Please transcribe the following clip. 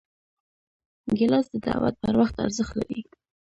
ګیلاس د دعوت پر وخت ارزښت لري.